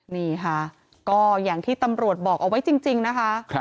นี่ค่ะก็อย่างที่ตำรวจบอกเอาไว้จริงนะคะ